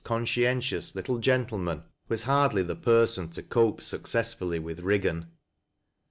conBcieutious little gentleman was hardly the person to cope successfully with Eiggan.